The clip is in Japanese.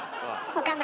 岡村